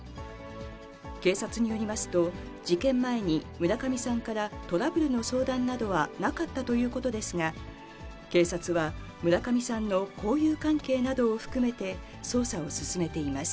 警察によりますと、事件前に村上さんからトラブルの相談などはなかったということですが、警察は村上さんの交友関係などを含めて、捜査を進めています。